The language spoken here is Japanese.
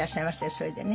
それでね。